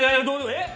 えっ！？